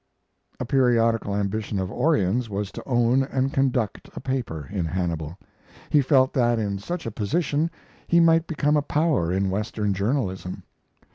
A periodical ambition of Orion's was to own and conduct a paper in Hannibal. He felt that in such a position he might become a power in Western journalism.